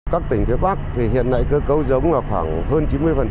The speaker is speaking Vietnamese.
các tỉnh phía bắc thì hiện nay cơ cấu giống là khoảng hơn chín mươi